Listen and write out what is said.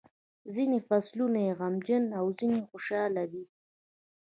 ځینې فصلونه یې غمجن او ځینې خوشاله دي.